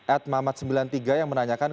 at mamat sembilan puluh tiga yang menanyakan